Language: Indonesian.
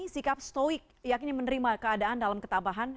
sikap stoik yakni menerima keadaan dalam ketabahan